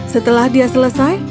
setelah dia selesai